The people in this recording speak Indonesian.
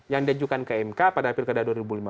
yang diajukan ke mk pada pilkada dua ribu lima belas